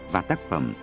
và tác phẩm